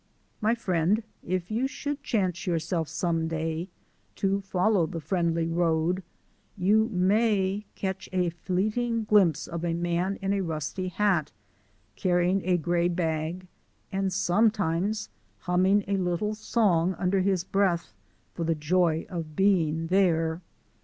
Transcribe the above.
My friend, if you should chance yourself some day to follow the Friendly Road, you may catch a fleeting glimpse of a man in a rusty hat, carrying a gray bag, and sometimes humming a little song under his breath for the joy of being there.